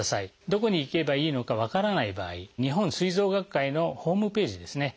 どこに行けばいいのか分からない場合日本膵臓学会のホームページですね